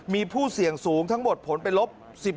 มีผู้เสี่ยงสูงทั้งหมดผลเป็นลบ